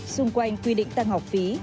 xung quanh quy định tăng học phí